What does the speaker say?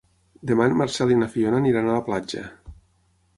Demà en Marcel i na Fiona aniran a la platja.